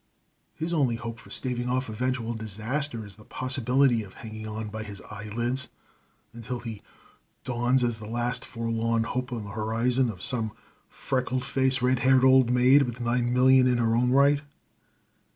His only hope for staving off eventual disaster is the possibility of hanging on by his eyelids until he dawns as the last forlorn hope on the horizon of some freckle faced, red haired old maid, with nine millions in her own right.